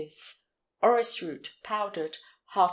Orris root, powdered ½ lb.